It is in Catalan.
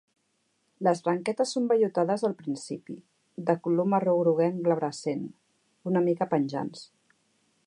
Les branquetes són vellutades al principi, de color marró groguenc glabrescent, una mica penjants.